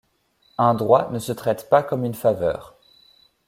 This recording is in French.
Un droit ne se traite pas comme une faveur.